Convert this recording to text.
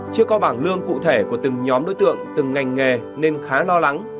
chưa có bảng lương cụ thể của từng nhóm đối tượng từng ngành nghề nên khá lo lắng